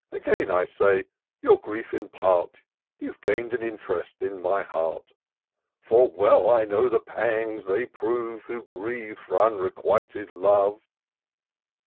Again, I say, your grief impart ; You've gain'd an int'rest in my heart ; For well I know the pangs they prove. Who grieve for unrequited love."